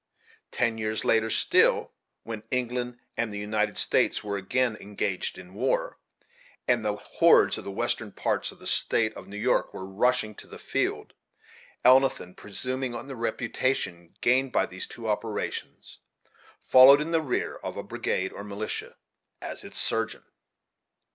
Ten years later still, when England and the United States were again engaged in war, and the hordes of the western parts of the State of New York were rushing to the field, Elnathan, presuming on the reputation obtained by these two operations, followed in the rear of a brigade of militia as its surgeon!